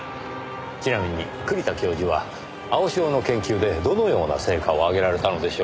ちなみに栗田教授は青潮の研究でどのような成果を上げられたのでしょう？